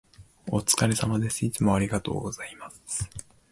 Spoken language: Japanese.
お疲れ様です。いつもありがとうございます。